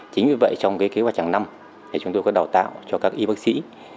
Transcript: chính vì vậy trong kế hoạch hàng năm chúng tôi có đào tạo cho các y bác sĩ